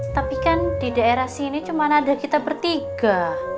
tapi kan di daerah sini cuma ada kita bertiga